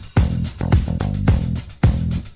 ฉันก็ว่าจะเปิดจริง